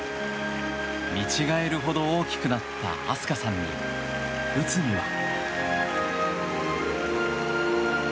見違えるほど大きくなった飛鳥さんに内海は。